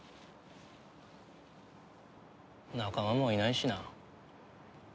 仲間もいないしな。